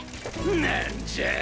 何じゃあ！？